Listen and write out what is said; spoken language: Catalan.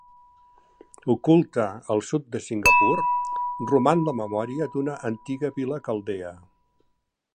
Oculta al sud de Singapur, roman la memòria d'una antiga vila caldea.